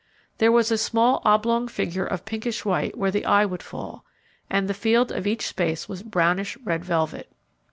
There was a small oblong figure of pinkish white where the eye would fall, and the field of each space was brownish red velvet.